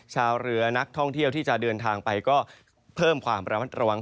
ชาวเรือนักท่องเที่ยวที่จะเดินทางไปก็เพิ่มความระมัดระวัง